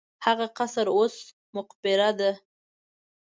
هغه قصر اوس مقبره ده.